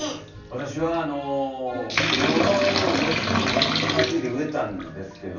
私はあのみょうがを買ってきて植えたんですけど。